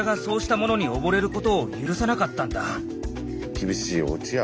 厳しいおうちや。